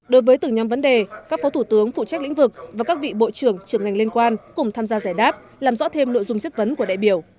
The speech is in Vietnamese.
đối với từng nhóm vấn đề các phó thủ tướng phụ trách lĩnh vực và các vị bộ trưởng trưởng ngành liên quan cùng tham gia giải đáp làm rõ thêm nội dung chất vấn của đại biểu